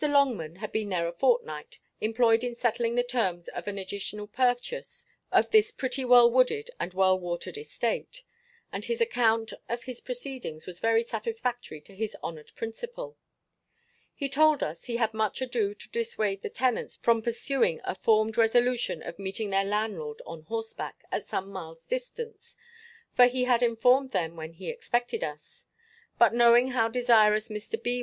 Longman had been there a fortnight, employed in settling the terms of an additional purchase of this pretty well wooded and well watered estate: and his account of his proceedings was very satisfactory to his honoured principal. He told us, he had much ado to dissuade the tenants from pursuing a formed resolution of meeting their landlord on horseback, at some miles distance; for he had informed them when he expected us; but knowing how desirous Mr. B.